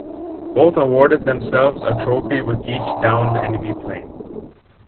Both awarded themselves a trophy with each downed enemy plane.